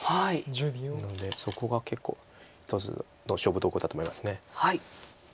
なのでそこが結構一つの勝負どこだと思います。